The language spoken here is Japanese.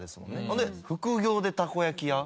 ほんで副業でたこ焼き屋。